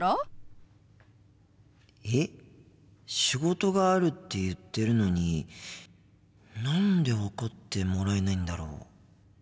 仕事があるって言ってるのに何で分かってもらえないんだろう？